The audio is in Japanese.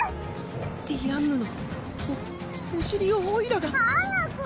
ディアンヌのおお尻をおいらが？早く！